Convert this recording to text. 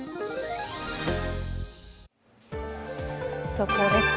速報です。